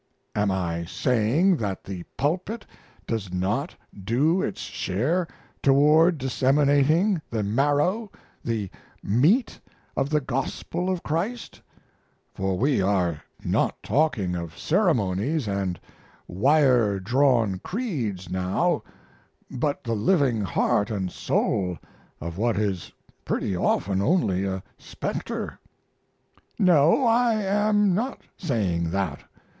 Am I saying that the pulpit does not do its share toward disseminating the marrow, the meat of the gospel of Christ? (For we are not talking of ceremonies and wire drawn creeds now, but the living heart and soul of what is pretty often only a specter.) No, I am not saying that.